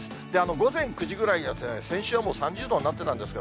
午前９時ぐらいに、先週はもう３０度になったんですよ。